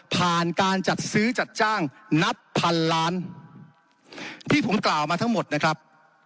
การจัดซื้อจัดจ้างนับพันล้านที่ผมกล่าวมาทั้งหมดนะครับ